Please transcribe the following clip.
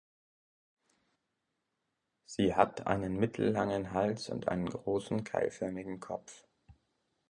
Sie hat einen mittellangen Hals und einen großen, keilförmigen Kopf.